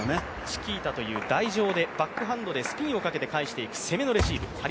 チキータという、台上でバックハンドでスピンをかけて返していく攻めのレシーブ。